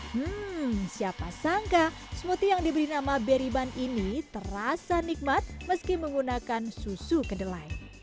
hmm siapa sangka smoothie yang diberi nama berry bund ini terasa nikmat meski menggunakan susu kedelai